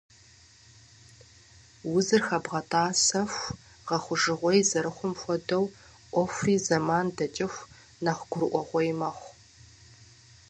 Узыр хэбгъэтӀэсэху гъэхъужыгъуей зэрыхъум хуэдэу Ӏуэхури, зэман дэкӀыху, нэхъ гурыӀуэгъуей мэхъу.